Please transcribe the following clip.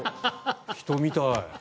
人みたい。